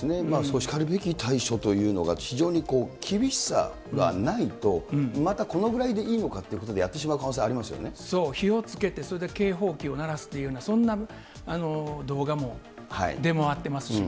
しかるべき対処というのが非常に厳しさがないと、またこのぐらいでいいのかということで、やってしまう可能性ありそう、火をつけて、それで警報機を鳴らすというような、そんな動画も出回ってますしね。